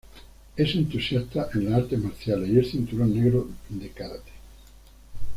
Es entusiasta en las artes marciales y es cinturón negro en karate.